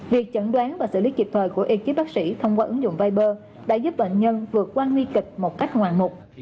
việc chẩn đoán và xử lý kịp thời của ekip bác sĩ thông qua ứng dụng viber đã giúp bệnh nhân vượt qua nguy kịch một cách ngoạn mục